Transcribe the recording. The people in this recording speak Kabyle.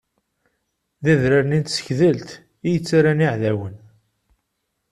D adrar-nni n Tsegdelt i yettarran iɛdawen.